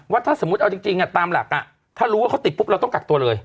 ถ้าสมมุติเอาจริงตามหลักถ้ารู้ว่าเขาติดปุ๊บเราต้องกักตัวเลย